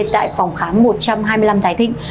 tại phòng khám một trăm hai mươi năm thái thịnh